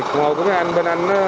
đồng hồ của anh bên anh nó